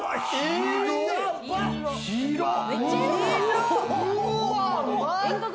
広っ！